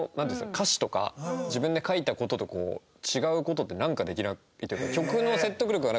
歌詞とか自分で書いた事とこう違う事ってなんかできないというか。